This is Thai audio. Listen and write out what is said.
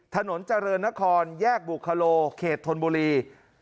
ถนนเจริญนครแยกบุคโลเขตธนบุรี